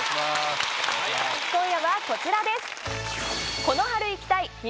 今夜はこちらです。